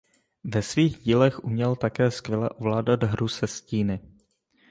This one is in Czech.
Ve svých dílech uměl také skvěle ovládat hru se stíny.